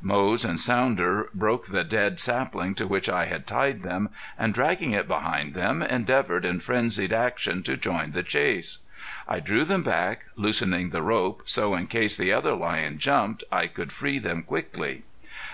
Moze and Sounder broke the dead sapling to which I had tied them, and dragging it behind them, endeavored in frenzied action to join the chase. I drew them back, loosening the rope, so in case the other lion jumped I could free them quickly.